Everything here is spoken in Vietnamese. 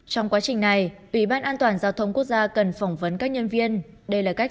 trong quá trình này ủy ban an toàn giao thông quốc gia cần phỏng vấn các nhân viên đây là cách